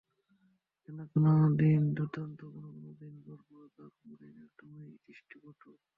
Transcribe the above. কোনো কোনো দিন দুর্দান্ত, কোনো দিন গড়পড়তা, কোনো দিন একদমই দৃষ্টিকটু।